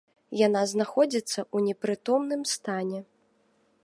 Яна знаходзіцца ў непрытомным стане.